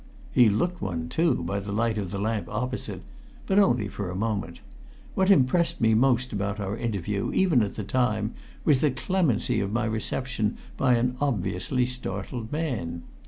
He looked one, too, by the light of the lamp opposite, but only for a moment. What impressed me most about our interview, even at the time, was the clemency of my reception by an obviously startled man.